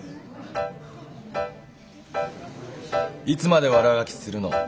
いつまで悪あがきするの？